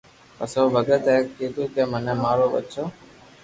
پسي او ڀگت اي ڪيدو ڪو مني مارو ٻچو